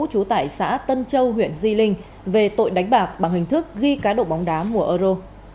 trú tại xã tân châu huyện di linh về tội đánh bạc bằng hình thức ghi cá độ bóng đá mùa euro